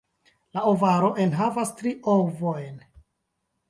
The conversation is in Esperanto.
La ovaro enhavas tri ovojn.